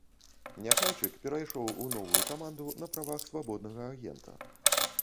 Няхайчык перайшоў у новую каманду на правах свабоднага агента.